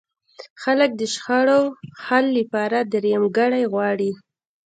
خلک د شخړو حل لپاره درېیمګړی غواړي.